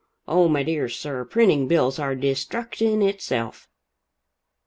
Oh, my dear sir, printing bills are destruction itself.